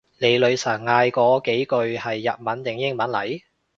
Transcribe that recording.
你女神嗌嗰幾句係日文定英文嚟？